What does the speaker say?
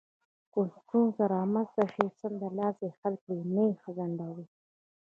که ستونزه رامنځته شي، سمدلاسه یې حل کړئ، مه یې ځنډوئ.